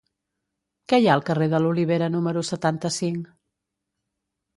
Què hi ha al carrer de l'Olivera número setanta-cinc?